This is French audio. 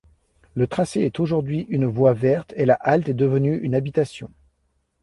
Le tracé est aujourd'hui une voie verte et la halte est devenue une habitation.